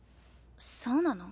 そうなの？